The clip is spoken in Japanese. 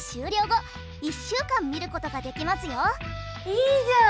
いいじゃん！